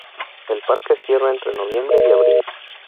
El parque cierra entre noviembre y abril.